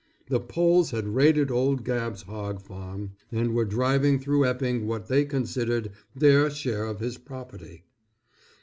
The Poles had raided old Gabb's hog farm, and were driving through Epping what they considered their share of his property.